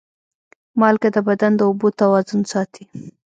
مالګه د بدن د اوبو توازن ساتي.